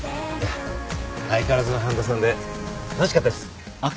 相変わらずの半田さんで楽しかったです。